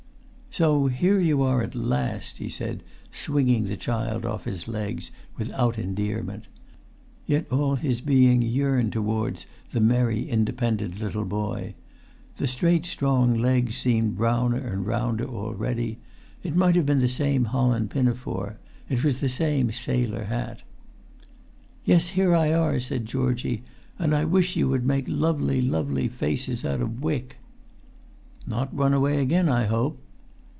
"So here you are at last," he said, swinging the child off his legs without endearment. Yet all his being yearned towards the merry independent little boy. The straight strong legs seemed browner and rounder already. It might have been the same holland pinafore; it was the same sailor hat. "Yes, here I are," said Georgie, "and I wish you would make lovely, lovely faces out of bwick." "Not run away again, I hope?"